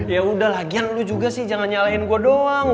yaudah lagian lu juga sih jangan nyalahin gue doang